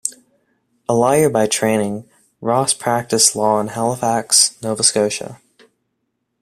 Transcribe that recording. A lawyer by training, Ross practised law in Halifax, Nova Scotia.